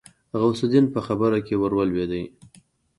غوث الدين په خبره کې ورولوېد.